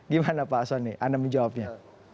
gimana pak soni anda menjawabnya